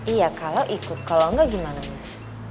iya kalau ikut kalau enggak gimana mas